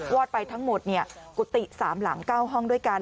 วอดไปทั้งหมดกุฏิสามหลังเก้าห้องด้วยกัน